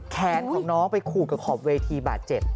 แขนของน้องไปขูดกับขอบเวทีบาดเจ็บ